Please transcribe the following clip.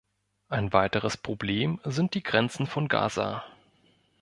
Ein weiteres Problem sind die Grenzen von Gaza.